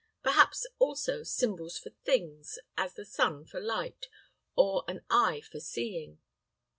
Perhaps, also, symbols for things, as the sun for light, or an eye for seeing.